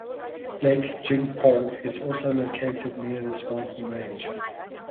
Lake Jingpo is also located near this mountain range.